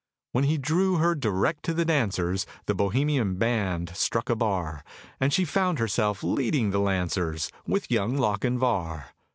When he drew her direct to the dancers, The Bohemian band struck a bar, And she found herself leading the Lancers With Young Lochinvar!